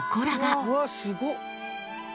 うわっすごっ！